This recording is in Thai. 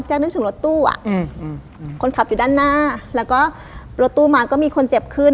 นึกถึงรถตู้อ่ะอืมคนขับอยู่ด้านหน้าแล้วก็รถตู้มาก็มีคนเจ็บขึ้น